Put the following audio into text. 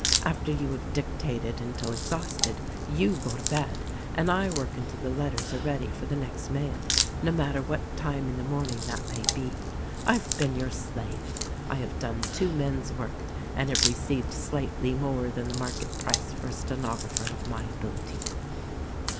After you have dictated until exhausted you go to bed and I work until the letters are ready for the next mail, no matter what time in the morning that may be. I've been your slave. I have done two men's work and have received slightly more than the market price for a stenographer of my ability."